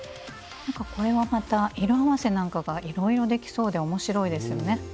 これはまた色合わせなんかがいろいろできそうで面白いですよね。